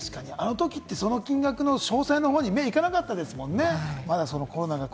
あの時ってその金額の詳細の方に目がいかなかったですもんね。